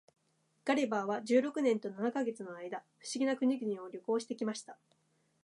ガリバーは十六年と七ヵ月の間、不思議な国々を旅行して来ました。